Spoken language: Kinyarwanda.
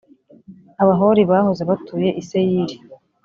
Abahori bahoze batuye i Seyiri,